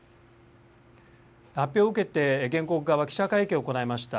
発表を受けて、原告側は記者会見を行いました。